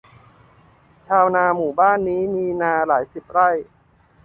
ชาวนาหมู่บ้านนี้มีนาหลายสิบไร่